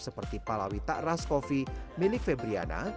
seperti palawi takras coffee milik febriana